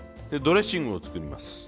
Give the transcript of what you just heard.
でドレッシングを作ります。